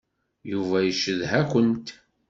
Yuba yeccedha-kent.